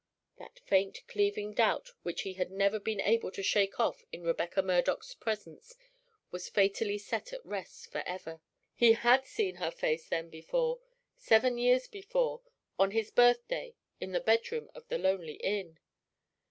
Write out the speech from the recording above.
That faint cleaving doubt which he had never been able to shake off in Rebecca Murdoch's presence was fatally set at rest forever. He had seen her face, then, before seven years before, on his birthday, in the bedroom of the lonely inn.